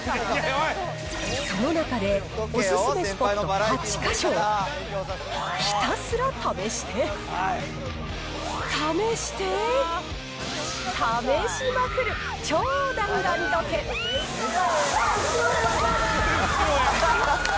その中で、お勧めスポット８か所をひたすら試して、試して、試しまくる、俺、後ろやんか！